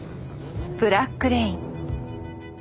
「ブラック・レイン」。